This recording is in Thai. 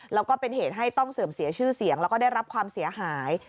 แล้วก็เป็นเหตุให้ต้องเสื่อมเสียชื่อเสียงแล้วก็ได้รับความเสียหาย